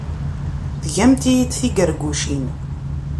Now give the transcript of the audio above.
Tgamt-iyi-d tigargucin.